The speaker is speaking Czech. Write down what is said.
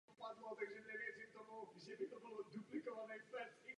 Se založením živnosti začal psát romány.